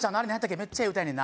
めっちゃいい歌やねんな